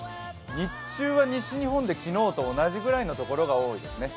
日中は西日本で昨日と同じくらいの所が多いですね。